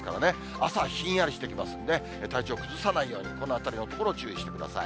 朝、ひんやりしてきますんで、体調を崩さないように、このあたりのところを注意してください。